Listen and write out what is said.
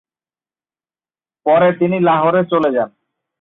পরে তিনি লাহোরে চলে যান।